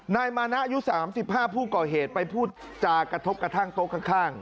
นายมานะอายุ๓๕ผู้ก่อเหตุไปพูดจากกระทบกระทั่งโต๊ะข้าง